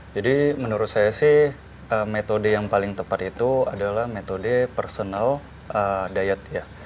jadi menurut saya sih metode yang paling tepat itu adalah metode personal diet